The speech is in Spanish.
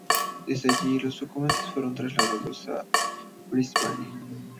Desde allí, los documentos fueron trasladados a Brisbane.